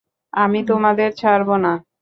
আমি তোমাদের ছাড়বো না!